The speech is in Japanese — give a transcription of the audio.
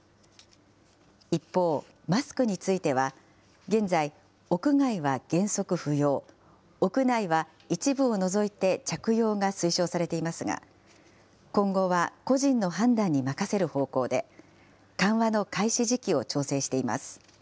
一方、マスクについては、現在、屋外は原則不要、屋内は一部を除いて着用が推奨されていますが、今後は個人の判断に任せる方向で、緩和の開始時期を調整しています。